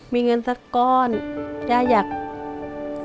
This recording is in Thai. พี่น้องของหนูก็ช่วยย่าทำงานค่ะ